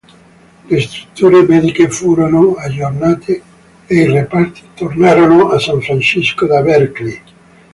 Le strutture mediche furono aggiornate ei reparti tornarono a San Francisco da Berkeley.